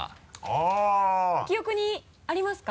記憶にありますか？